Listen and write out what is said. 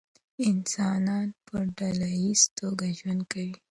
انسانان په ډله ایزه توګه ژوند کوي.